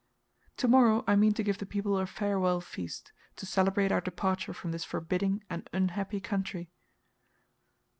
To morrow I mean to give the people a farewell feast, to celebrate our departure from this forbidding and unhappy country.